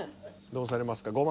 どうされますか？